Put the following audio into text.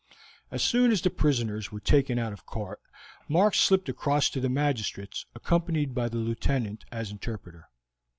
As soon as the prisoners were taken out of court Mark slipped across to the magistrates, accompanied by the Lieutenant as interpreter.